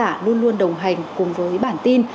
quý vị khán giả luôn luôn đồng hành cùng với bản tin